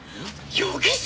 容疑者！？